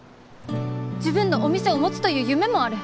自分のお店を持つという夢もある。